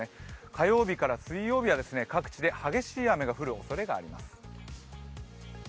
火曜日から水曜日は各地で激しい雨が降るおそれがあります。